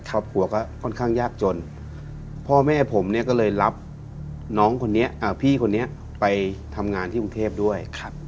ครอบครัวก็ค่อนข้างยากจนพ่อแม่ผมเนี่ยก็เลยรับน้องคนนี้พี่คนนี้ไปทำงานที่กรุงเทพด้วย